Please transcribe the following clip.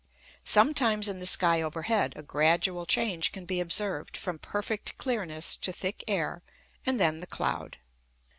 Sometimes in the sky overhead a gradual change can be observed from perfect clearness to thick air, and then the cloud.